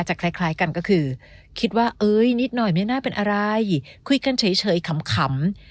คล้ายกันก็คือคิดว่าเอ้ยนิดหน่อยไม่น่าเป็นอะไรคุยกันเฉยขำ